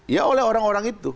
ya oleh orang orang itu